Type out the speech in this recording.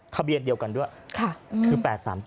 ทะเบียนเดียวกันด้วยคือ๘๓๗